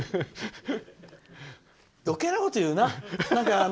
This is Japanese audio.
余計なこと言うな。